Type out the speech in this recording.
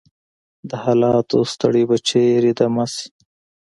د حالاتو ستړی به چیرته دمه شي؟